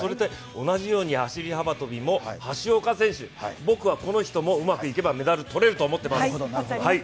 同じように走幅跳も橋岡選手、僕はこの人もうまくいけばメダル取れると思ってます。